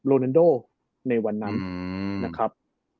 โลแลนด้วในวันนั้นนะครับ